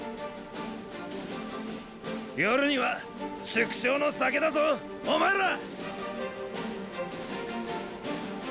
夜には祝勝の酒だぞお前ら。